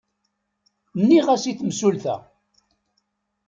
Nniɣ-as i temsulta.